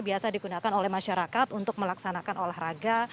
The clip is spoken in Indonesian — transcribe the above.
biasa digunakan oleh masyarakat untuk melaksanakan olahraga